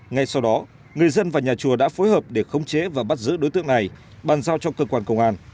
ngay sau đó người dân và nhà chùa đã phối hợp để khống chế và bắt giữ đối tượng này bàn giao cho cơ quan công an